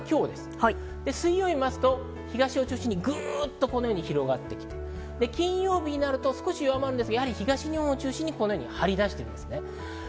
水曜日を見ますと、ぐっとこのように広がってきて、金曜日になると少し弱まるんですが、東日本を中心に張り出しているんです。